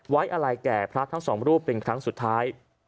ไว้อะไรแก่พระทั้งสองรูปเป็นครั้งสุดท้าย